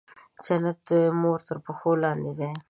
جنت د مور تر پښو لاندې دی.